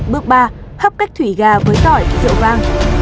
bước ba hấp cách thủy gà với tỏi rượu vang